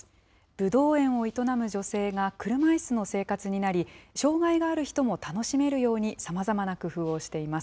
ぶどう園を営む女性が、車いすの生活になり、障害がある人も楽しめるように、さまざまな工夫をしています。